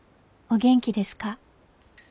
お元気ですか？